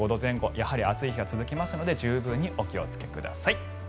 やはり暑い日が続きますので十分にお気をつけください。